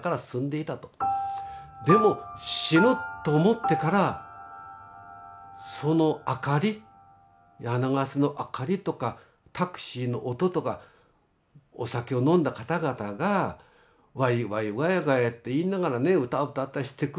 「でも『死ぬ』と思ってからその明かり柳ケ瀬の明かりとかタクシーの音とかお酒を飲んだ方々がワイワイガヤガヤって言いながらね歌歌ったりしてく。